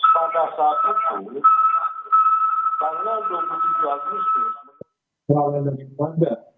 saya berpikir mewakili daripada pak rudi ya